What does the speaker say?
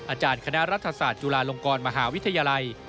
อาจารย์คณะรัฐศาสตร์จุฬาลงกรมหาวิทยาลัย